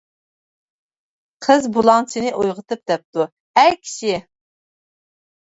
قىز بۇلاڭچىنى ئويغىتىپ دەپتۇ :-ئەي كىشى!